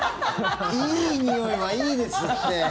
いいにおいはいいですって！